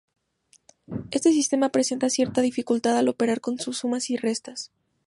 Este sistema presenta cierta dificultad al operar con sumas y restas.